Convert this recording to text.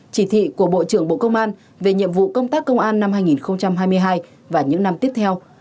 chỉ thị của bộ trưởng bộ công an về nhiệm vụ công tác công an năm hai nghìn hai mươi hai và những năm tiếp theo